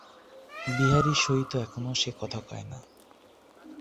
বিহারীর সহিত এখনো সে কথা কয় না।